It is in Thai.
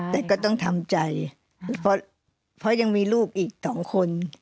แต่ก็ต้องทำใจเพราะยังมีลูกอีก๒คน